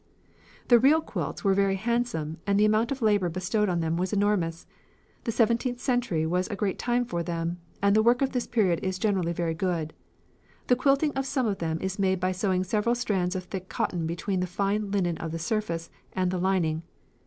"The real quilts were very handsome and the amount of labour bestowed on them was enormous. The seventeenth century was a great time for them, and the work of this period is generally very good. The quilting of some of them is made by sewing several strands of thick cotton between the fine linen of the surface and the lining.